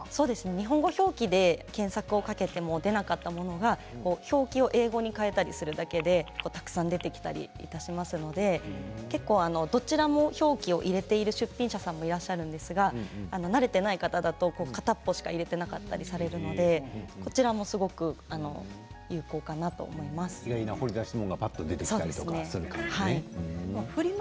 日本語表記で検索をかけても出なかったものが表記を英語に変えたりするだけでたくさん出てきたりしますので結構どちらも表記を入れている出品者さんもいらっしゃるんですが慣れていない方だと片方しか入れていなかったりするのでこちらもすごく有効かなと意外な掘り出し物がフリマ